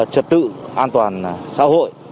trật tự an toàn xã hội